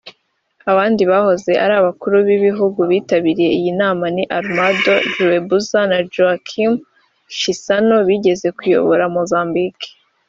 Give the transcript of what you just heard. Abandi bahoze ari abakuru b’ibihugu bitabiriye iyi nama ni Armando Guebuza na Joaquim Chissano bigeze kuyobora Mozambique